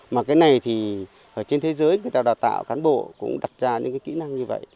mà cái này thì ở trên thế giới người ta đào tạo cán bộ cũng đặt ra những kỹ năng như vậy